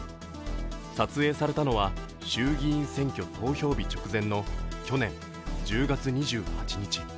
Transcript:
撮影されたのは衆議院選挙投票日直前の去年１０月２８日。